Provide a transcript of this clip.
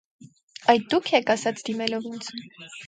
- Այդ դո՞ւք եք,- ասաց դիմելով ինձ: